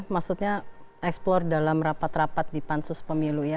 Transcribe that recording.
maksudnya eksplore dalam rapat rapat di pansus pemilu ya